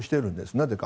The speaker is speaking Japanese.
なぜか。